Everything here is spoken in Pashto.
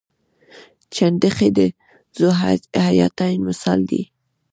چنډخې د ذوحیاتین مثال دی